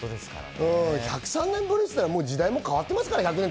１０３年ぶりっていったら時代も変わってますから。